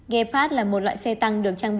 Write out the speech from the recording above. gepard là một loại xe tăng được trang bộ